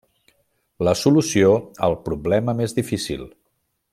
La solució al problema més difícil.